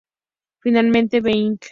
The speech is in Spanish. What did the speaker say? Finalmente, Be Inc.